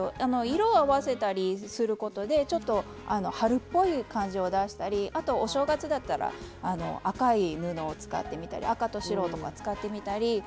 色を合わせたりすることでちょっと春っぽい感じを出したりあとお正月だったら赤い布を使ってみたり赤と白とか使ってみたり。